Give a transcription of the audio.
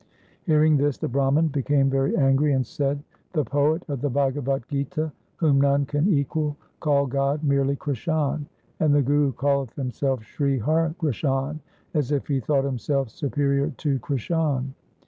Hearing this the Brahman became very angry and said, ' The poet of the Bhagavat Gita, whom none can equal, called God merely Krishan, and the Guru calleth himself Sri Har Krishan, as if he thought himself superior to Krishan.